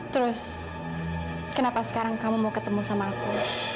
terus kenapa sekarang kamu mau ketemu sama aku